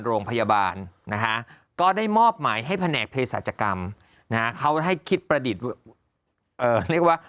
โรงพยาบาลนะฮะก็ได้มอบหมายให้แผนกเพศาจกรรมนะฮะเขาให้คิดประดิษฐ์เรียกว่า